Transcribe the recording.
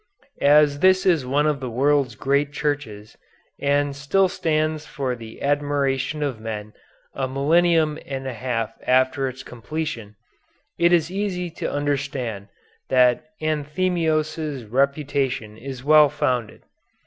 As this is one of the world's great churches, and still stands for the admiration of men a millennium and a half after its completion, it is easy to understand that Anthemios' reputation is well founded.